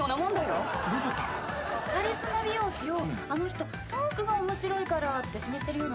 カリスマ美容師をあの人トークが面白いからって指名してるようなもんだよ。